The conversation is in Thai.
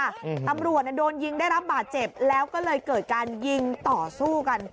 อืมตำรวจเนี้ยโดนยิงได้รับบาดเจ็บแล้วก็เลยเกิดการยิงต่อสู้กัน